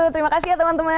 terima kasih ya teman teman